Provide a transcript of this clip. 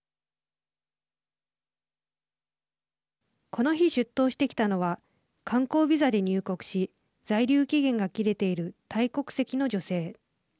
この日、出頭してきたのは観光ビザで入国し在留期限が切れているタイ国籍の女性。